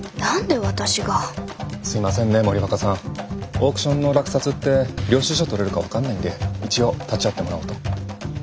オークションの落札って領収書取れるか分かんないんで一応立ち会ってもらおうと。